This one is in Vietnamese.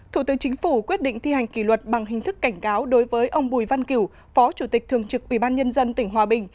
thủ tướng chính phủ quyết định thi hành kỷ luật bằng hình thức cảnh cáo đối với ông bùi văn kiểu phó chủ tịch thường trực ubnd tỉnh hòa bình